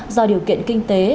do điều kiện kinh tế